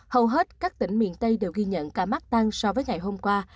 hầu hết các tỉnh miền tây đều ghi nhận ca mắc tăng so với ngày hôm qua